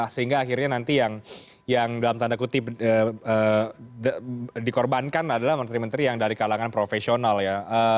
sehingga akhirnya nanti yang dalam tanda kutip dikorbankan adalah menteri menteri yang dari kalangan profesional ya